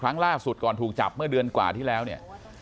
ครั้งล่าสุดก่อนถูกจับเมื่อเดือนกว่าที่แล้วเนี่ย